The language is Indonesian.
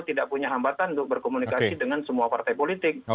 tidak punya hambatan untuk berkomunikasi dengan semua partai politik